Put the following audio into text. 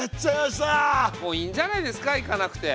もういいんじゃないですか行かなくて。